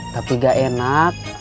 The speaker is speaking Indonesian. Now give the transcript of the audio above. tapi gak enak